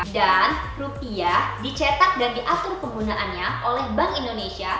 dan rupiah dicetak dan diatur penggunaannya oleh bank indonesia